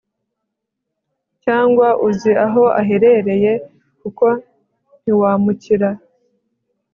cyangwa uzi aho aherereye kuko ntiwamukira